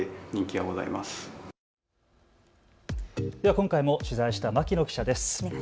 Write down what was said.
今回も取材した牧野記者です。